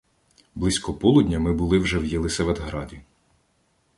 Близько полудня ми були вже в Єлисаветграді.